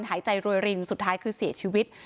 หายใจรวยรินสุดท้ายคือเสียชีวิต